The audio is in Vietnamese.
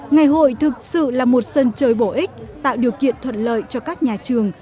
ngày hội thực sự là một sân chơi bổ ích tạo điều kiện thuận lợi cho các nhà trường